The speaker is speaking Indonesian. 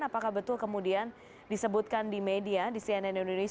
apakah betul kemudian disebutkan di media di cnn indonesia